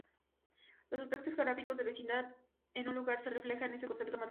El aspecto geográfico de "vecindad" en un lugar se refleja en este concepto matemático.